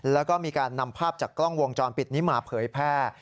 แล้วก็มีการนำภาพจากกล้องวงจรปิดนี้มาเผยแพร่